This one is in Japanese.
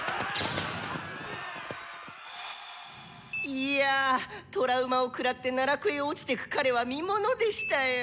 いやぁ「幻燈」を食らって奈落へ落ちてく彼は見ものでしたよぉ。